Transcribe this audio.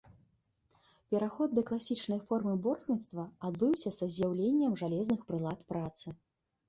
Пераход да класічнай формы бортніцтва адбыўся са з'яўленнем жалезных прылад працы.